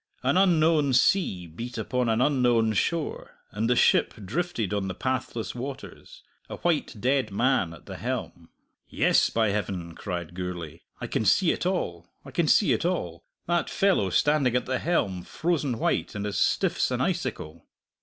An unknown sea beat upon an unknown shore, and the ship drifted on the pathless waters, a white dead man at the helm. "Yes, by Heaven," cried Gourlay, "I can see it all, I can see it all that fellow standing at the helm, frozen white and as stiff's an icicle!"